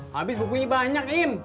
habis bukunya banyak im